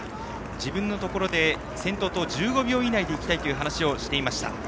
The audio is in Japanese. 自分のところで先頭と１５秒以内でいきたいと話していました。